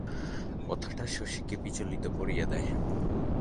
কথাটা শশীকে বিচলিত করিয়া দেয়।